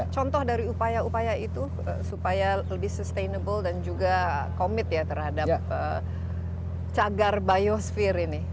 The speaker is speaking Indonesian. contoh dari upaya upaya itu supaya lebih sustainable dan juga komit ya terhadap cagar biosfir ini